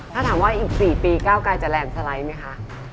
ถ้าถามว่าอีก๔ปีก้าวกายจะแรงสไลด์ไหมคะ